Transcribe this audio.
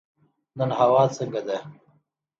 نن هوا څنګه ده؟